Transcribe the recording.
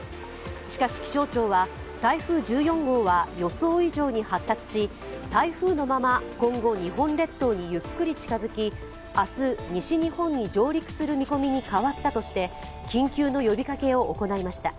しかし、気象庁は台風１４号は予想以上に発達し台風のまま今後、日本列島にゆっくり近づき、明日、西日本に上陸する見込みに変わったとして緊急の呼びかけを行いました。